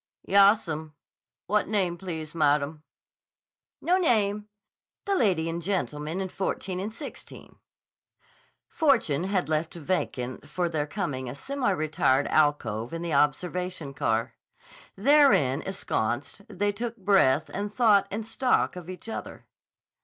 "Yassum. What name please, maddum?" "No name. The lady and gentleman in 14 and 16." Fortune had left vacant for their coming a semi retired alcove in the observation car. Therein ensconced, they took breath and thought and stock of each other.